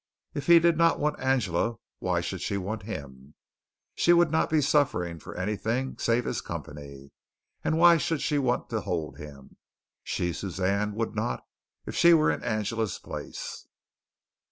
If he did not want Angela, why should she want him? She would not be suffering for anything save his company, and why should she want to hold him? She, Suzanne, would not, if she were in Angela's place.